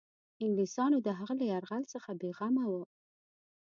انګلیسیانو د هغه له یرغل څخه بېغمه وه.